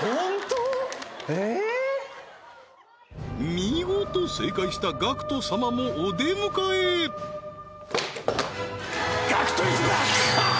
見事正解したＧＡＣＫＴ様もお出迎えははははっ！